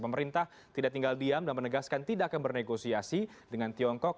pemerintah tidak tinggal diam dan menegaskan tidak akan bernegosiasi dengan tiongkok